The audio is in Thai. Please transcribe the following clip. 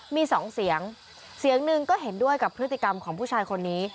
มีสองเสียงเสียงหนึ่งก็เห็นด้วยกับพฤติกรรมของผู้ชายคนนี้